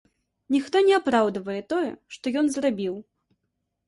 Ніхто не апраўдвае тое, што ён зрабіў.